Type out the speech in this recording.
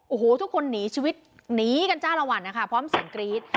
โอ้โหทุกคนหนีชีวิตหนีกันจ้าละวันนะคะพร้อมเสียงกรี๊ด